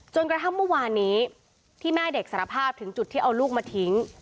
จนกระทั่งเมื่อวานนี้ที่แม่เด็กสารภาพถึงจุดที่เอาลูกมาทิ้ง